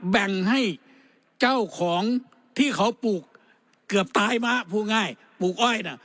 แบ่งให้เจ้าของที่เขาปลูกเกือบตายมาพูดง่ายปลูกอ้อยน่ะ